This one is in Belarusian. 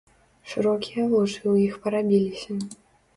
Шырокія вочы ў іх парабіліся.